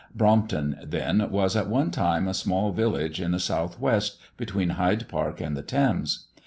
Brompton, then, was at one time a small village in the South west, between Hyde Park and the Thames.